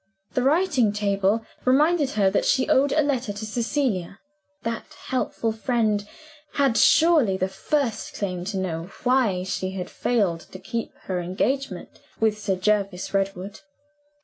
The writing table reminded her that she owed a letter to Cecilia. That helpful friend had surely the first claim to know why she had failed to keep her engagement with Sir Jervis Redwood.